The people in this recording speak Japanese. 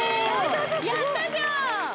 やったじゃん！